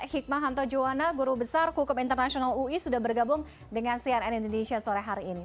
hikmah hanto juwana guru besar hukum internasional ui sudah bergabung dengan cnn indonesia sore hari ini